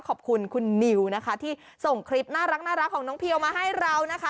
ขอบคุณคุณนิวนะคะที่ส่งคลิปน่ารักของน้องเพียวมาให้เรานะคะ